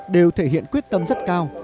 đều thể hiện quyết tâm rất cao